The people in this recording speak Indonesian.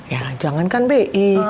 ya jangankan bi